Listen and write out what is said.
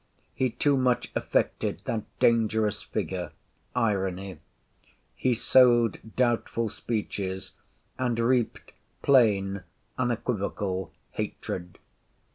He too much affected that dangerous figure—irony. He sowed doubtful speeches, and reaped plain, unequivocal hatred.